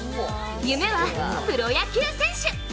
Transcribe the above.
夢はプロ野球選手！